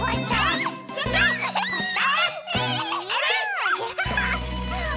あれ？